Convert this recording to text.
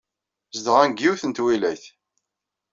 Zedɣen deg yiwet n twilayt.